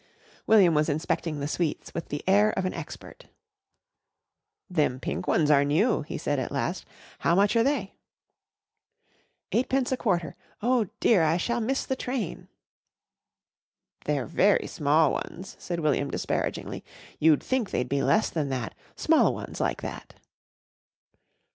William was inspecting the sweets with the air of an expert. "Them pink ones are new," he said at last. "How much are they?" "Eightpence a quarter. Oh, dear, I shall miss the train." "They're very small ones," said William disparagingly "You'd think they'd be less than that small ones like that."